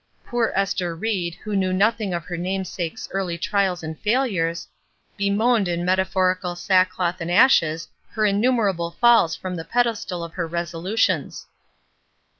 Poor Esther Ried, who knew nothing of her namesake's early trials and failures, bemoaned in meta phorical sackcloth and ashes her innumerable falls from the pedestal of her resolutions.